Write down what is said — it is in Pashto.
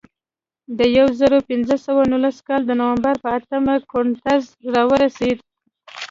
د یو زرو پینځه سوه نولس کال د نومبر په اتمه کورټز راورسېد.